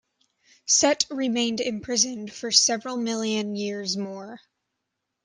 Set remained imprisoned for several million years more.